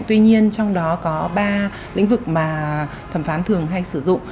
tuy nhiên trong đó có ba lĩnh vực mà thẩm phán thường hay sử dụng